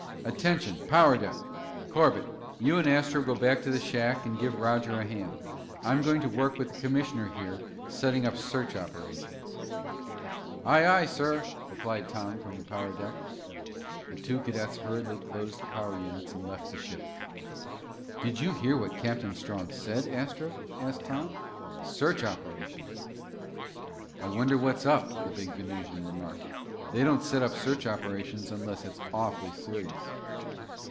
"Attention, power deck! Corbett, you and Astro go back to the shack and give Roger a hand. I'm going to work with the commissioner here setting up search operations." "Aye, aye, sir," replied Tom from the power deck. The two cadets hurriedly closed the power units and left the ship. "Did you hear what Captain Strong said, Astro?" asked Tom. "Search operations." "I wonder what's up," the big Venusian remarked. "They don't set up search operations unless it's awfully serious!"